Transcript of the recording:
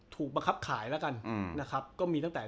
ถูกบังคับขายแล้วกันนะครับก็มีตั้งแต่